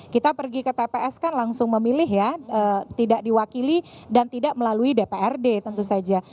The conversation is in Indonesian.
kita pergi ke tps kan langsung memilih ya tidak diwakili dan tidak melalui dprd tentu saja